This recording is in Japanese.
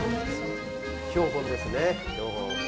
標本ですね標本。